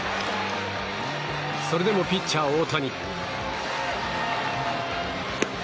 それでも、ピッチャー大谷。